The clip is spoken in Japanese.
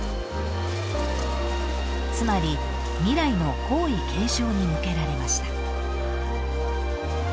［つまり未来の皇位継承に向けられました］